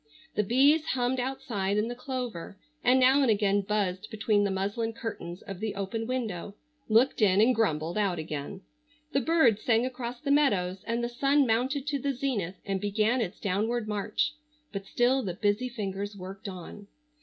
The bees hummed outside in the clover, and now and again buzzed between the muslin curtains of the open window, looked in and grumbled out again. The birds sang across the meadows and the sun mounted to the zenith and began its downward march, but still the busy fingers worked on.